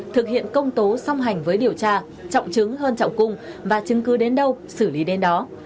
thực hiện công tố song hành với điều tra trọng chứng hơn trọng cung và chứng cứ đến đâu xử lý đến đó